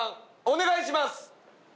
お願いします！